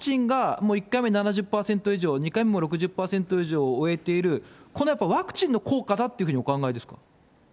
もう１回目７０％以上、２回目も６０％以上終えている、これはワクチンの効果だというふうにお考えですか？